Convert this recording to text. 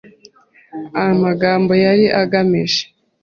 Amagambo yari agamije